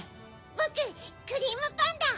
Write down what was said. ボククリームパンダ。